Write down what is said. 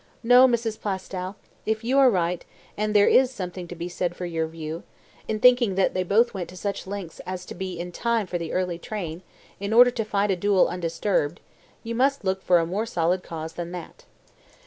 No, Mrs. Plaistow, if you are right, and there is something to be said for your view, in thinking that they both went to such lengths as to be in time for the early train, in order to fight a duel undisturbed, you must look for a more solid cause than that."